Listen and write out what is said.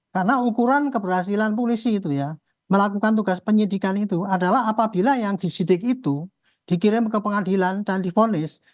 karena ukuran keberhasilan polisi itu ya melakukan tugas penyidikan itu adalah apabila yang disidik itu dikirim ke pengadilan dan divonis